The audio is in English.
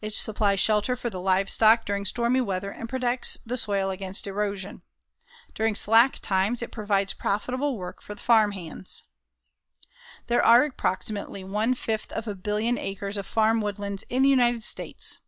It supplies shelter for the livestock during stormy weather and protects the soil against erosion. During slack times, it provides profitable work for the farm hands. There are approximately one fifth of a billion acres of farm woodlands in the United States.